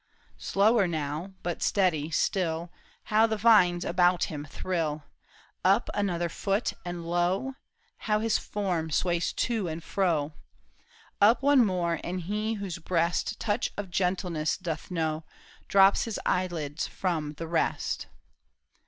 Slower now, but steady still, — How the vines about him thrill ! Up another foot, and lo ! How his form sways to and fro ! Up one more, and he whose breast Touch of gentleness doth know. Drops his eyelids from the rest.